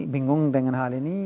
bingung dengan hal ini